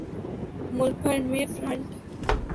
ملک بھر میں فرنٹ